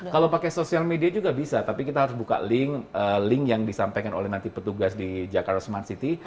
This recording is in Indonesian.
kalau pakai sosial media juga bisa tapi kita harus buka link link yang disampaikan oleh nanti petugas di jakarta smart city